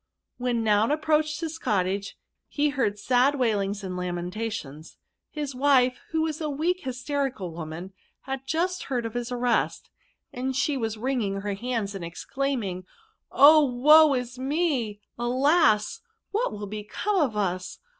When Noun approached his cottage, he heard sad wailings and lament* S76 TBRB6. ations. ffis wife, who wa3 a weak hysterical woman, had just heard of his arrest, and she was wringing her hands and exclaiming, * O woe is me ! alas I what will become of us?